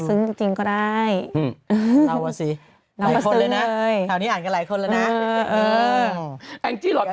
เอาแม่เขาก็จะซึ้งจริงก็ได้